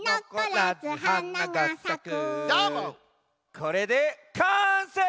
これでかんせい！